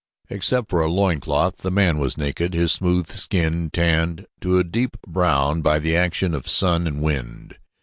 Except for a loin cloth, the man was naked, his smooth skin tanned to a deep brown by the action of sun and wind.